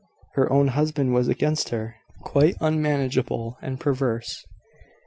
Her own husband was against her quite unmanageable and perverse.